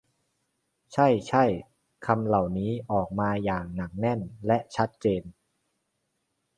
ใช่ ใช่ คำเหล่านี้ออกมาอย่างหนักแน่นและชัดเจน